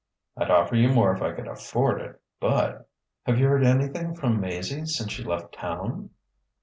"I'd offer you more if I could afford it, but " "Have you heard anything from Maizie since she left town?"